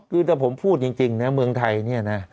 คือถ้าผมพูดจริงนะเมืองไทยเนี่ยนะ